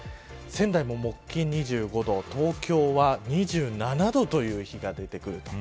仙台、木、金２５度東京は２７度という日が出てきます。